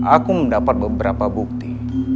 aku mendapat beberapa bukti